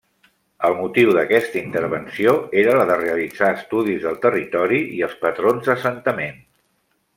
El motiu d'aquesta intervenció era la de realitzar estudis del territori i els patrons d'assentament.